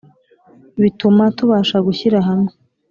bituma tubasha gushyira hamwe,